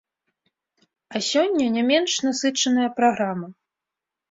А сёння не менш насычаная праграма.